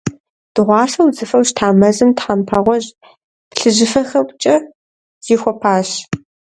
Дыгъуасэ удзыфэу щыта мэзым, тхьэмпэ гъуэжь-плъыжьыфэхэмкӏэ зихуапащ.